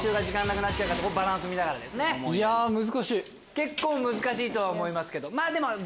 結構難しいとは思いますけど。